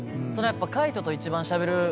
海人と一番しゃべるのが。